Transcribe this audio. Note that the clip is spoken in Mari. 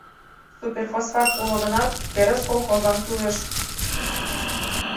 Суперфосфат уло гынат, терыс колхозлан кӱлеш.